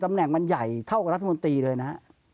แหน่งมันใหญ่เท่ากับรัฐมนตรีเลยนะฮะ